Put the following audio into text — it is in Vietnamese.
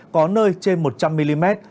có nơi trên một trăm linh mm